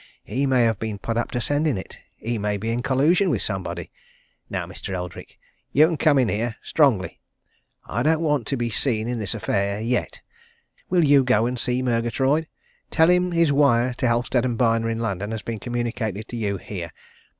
He may have been put up to sending it. He may be in collusion with somebody. Now, Mr. Eldrick, you can come in here strongly! I don't want to be seen in this affair yet. Will you go and see Murgatroyd? Tell him his wire to Halstead & Byner in London has been communicated to you here.